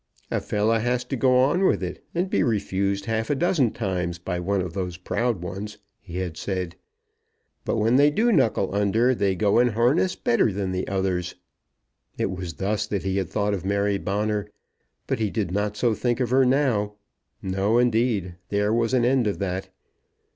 "A fellow has to go on with it, and be refused half a dozen times by one of those proud ones," he had said; "but when they do knuckle under, they go in harness better than the others." It was thus that he had thought of Mary Bonner, but he did not so think of her now. No, indeed. There was an end of that.